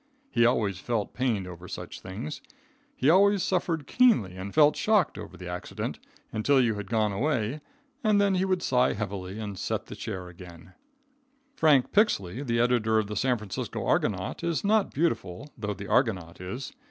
He always felt pained over such things. He always suffered keenly and felt shocked over the accident until you had gone away, and then he would sigh heavily and "set" the chair again. [Illustration: THE RUIN.] Frank Pixley, the editor of the San Francisco Argonaut, is not beautiful, though the Argonaut is.